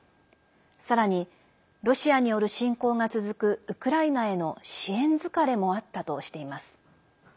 さらに、ロシアによる侵攻が続くウクライナへの支援疲れもあったとしています。